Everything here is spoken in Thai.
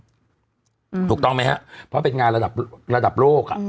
เอเบคเสร็จก่อนถูกต้องไหมฮะเพราะเป็นงานระดับระดับโลกอ่ะ